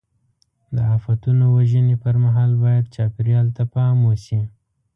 د آفتونو وژنې پر مهال باید چاپېریال ته پام وشي.